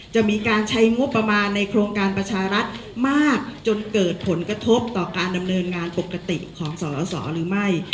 จะมีการใช้งบประมาณในโครงการประชารัฐมากจนเกิดผลกระทบต่อการดำเนินงานปกติของสสหรือไม่